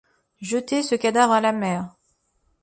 Jetez ce cadavre à la mer.